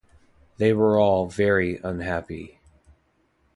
They were all very unhappy.